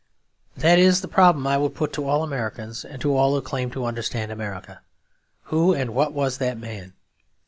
That is the problem I would put to all Americans, and to all who claim to understand America. Who and what was that man?